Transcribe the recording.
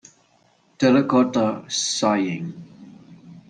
Terracotta Sighing.